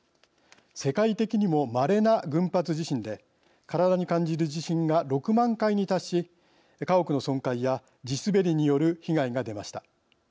世界的にもまれな群発地震で体に感じる地震が６万回に達し家屋の損壊や地滑りによる被害が出ました。